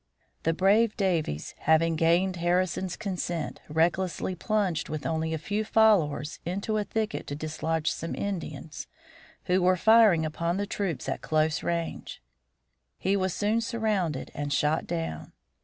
The brave Daveiss, having gained Harrison's consent, recklessly plunged with only a few followers into a thicket to dislodge some Indians who were firing upon the troops at close range. He was soon surrounded and shot down.